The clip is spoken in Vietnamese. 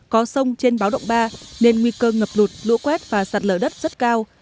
có sông trên báo động ba nên nguy cơ ngập lụt lũ quét và sạt lở đất rất cao